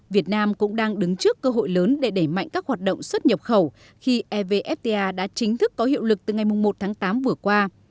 việt nam cũng đang đứng trước cơ hội lớn để đẩy mạnh các hoạt động xuất nhập khẩu khi evfta đã chính thức có hiệu lực từ ngày một tháng tám vừa qua